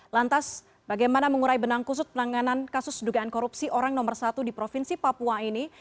lantas bagaimana mengurai benang kusut penanganan kasus dugaan korupsi orang nomor satu di provinsi papua ini